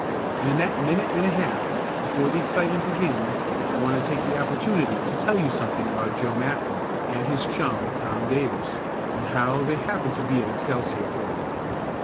And in that minute and a half, before the excitement begins, I want to take the opportunity to tell you something about Joe Matson, and his chum Tom Davis, and how they happened to be at Excelsior Hall.